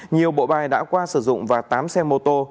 nhiều bộ bài đã qua sử dụng và tám xe mô tô